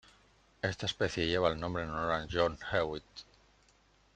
Esta especie lleva el nombre en honor a John Hewitt.